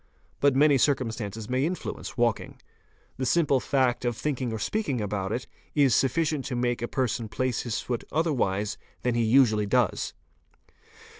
But many circumstances may influence walking. The simple act of thinking or speaking about it, is sufficient to make a person place his foot otherwise than he usually does.